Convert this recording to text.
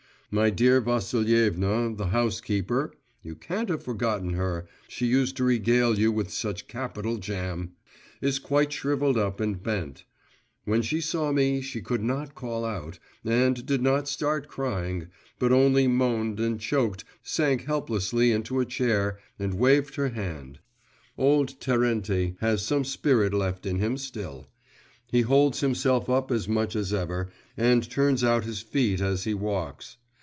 My dear Vassilievna, the housekeeper (you can't have forgotten her; she used to regale you with such capital jam), is quite shrivelled up and bent; when she saw me, she could not call out, and did not start crying, but only moaned and choked, sank helplessly into a chair, and waved her hand. Old Terenty has some spirit left in him still; he holds himself up as much as ever, and turns out his feet as he walks.